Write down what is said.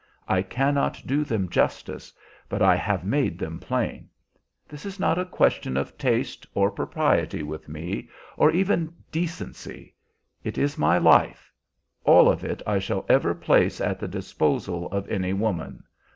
I cannot do them justice, but I have made them plain. This is not a question of taste or propriety with me, or even decency. It is my life, all of it I shall ever place at the disposal of any woman.